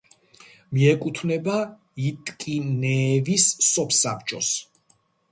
მიეკუთვნება იტკინეევის სოფსაბჭოს.